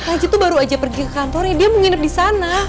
raja itu baru aja pergi ke kantornya dia mau nginep di sana